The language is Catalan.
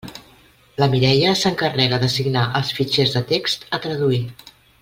La Mireia s'encarrega d'assignar els fitxers de text a traduir.